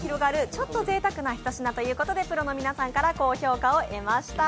ちょっとぜいたくなひと品ということでプロの皆さんから高評価をえました。